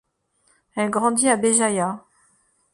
Elle grandit à Béjaïa.